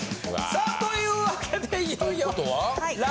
さあというわけでいよいよ。という事は？